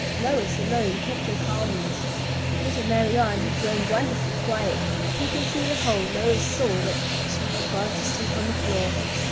Lois alone kept her calmness. Little Marianne had grown wonderfully quiet. Peeping through the hole, Lois saw that she had gone to sleep on the floor.